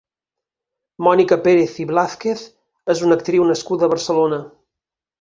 Mònica Pérez i Blázquez és una actriu nascuda a Barcelona.